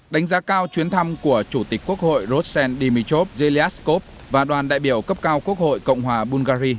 đánh giá cao chuyến thăm của chủ tịch quốc hội rosen dimitrov zelenskov và đoàn đại biểu cấp cao quốc hội cộng hòa bulgari